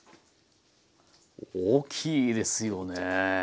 大きいですよね。